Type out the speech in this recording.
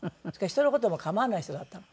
人の事も構わない人だったの。